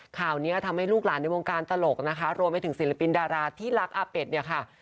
ข่าวนี้ทำให้ลูกหลานในวงการตลกนะคะรวมไปถึงศิลปินดาราที่รักอาเป็ดเนี่ยค่ะ